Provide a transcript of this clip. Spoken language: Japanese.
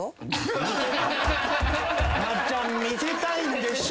松ちゃん見せたいんでしょ？